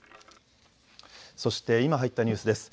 そして今、入ったニュースです。